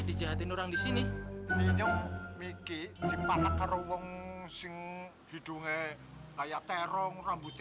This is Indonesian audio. dijahatin orang di sini ini miki di mana karo wong sing hidungnya kayak terong rambut